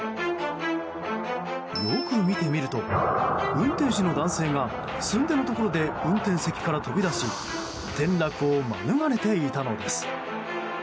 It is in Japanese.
よく見てみると、運転手の男性がすんでのところで運転席から飛び出し転落を免れていたのです。